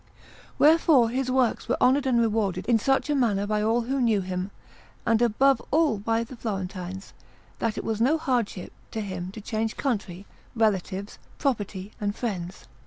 Wherefore his works were honoured and rewarded in such a manner by all who knew him, and above all by the Florentines, that it was no hardship to him to change country, relatives, property and friends.